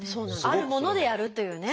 あるものでやるというね。